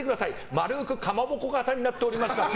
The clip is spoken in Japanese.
丸くかまぼこ型になっております。